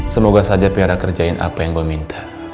semoga saja biara kerjain apa yang gue minta